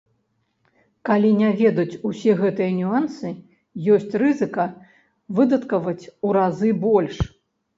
Калі не ведаць усе гэтыя нюансы, ёсць рызыка выдаткаваць у разы больш.